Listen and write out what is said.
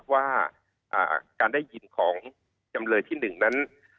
ว่าการได้ยินของจำเลยที่๑นั้น